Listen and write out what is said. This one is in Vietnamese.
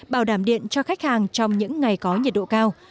bảo đảm điện cho khách hàng trong những ngày có nhiệt độ cao